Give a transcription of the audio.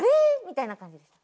みたいな感じです。